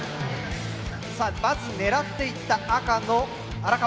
さあまず狙っていった赤の荒川。